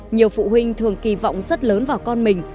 nhiều phụ huynh thường kỳ vọng rất lớn vào con mình